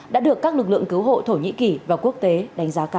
đã được các lực lượng cứu hộ thổ nhĩ kỳ và quốc tế đánh giá cao